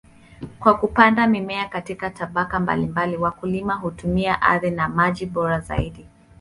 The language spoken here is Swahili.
Kwa kupanda mimea katika tabaka mbalimbali, wakulima hutumia ardhi na maji bora zaidi.